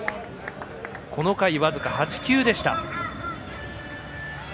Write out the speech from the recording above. この回、僅か８球でした。